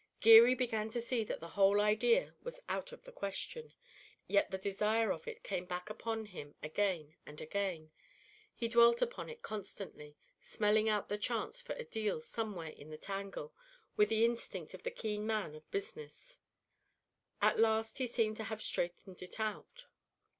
Geary began to see that the whole idea was out of the question. Yet the desire of it came back upon him again and again. He dwelt upon it constantly, smelling out the chance for a "deal" somewhere in the tangle with the instinct of the keen man of business. At last he seemed to have straightened it out.